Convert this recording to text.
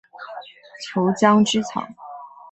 俅江芰草